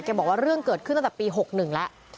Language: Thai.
บอกว่าเรื่องเกิดขึ้นตั้งแต่ปี๖๑แล้ว